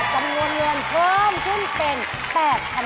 จำนวนเงินเพิ่มขึ้นเป็น๘๐๐๐